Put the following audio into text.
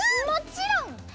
もちろん！